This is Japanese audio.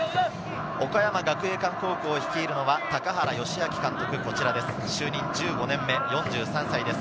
岡山学芸館高校を率いるのは高原良明監督です。